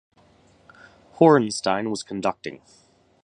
Horenstein was conducting.